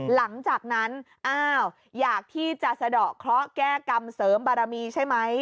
หลังจากนั้นอ้าวอยากที่จะสะดอกเคราะห์แก้กรรมเสริมบารมีใช่ไหม